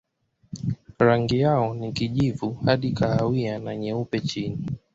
Rangi yao ni kijivu hadi kahawia na nyeupe chini.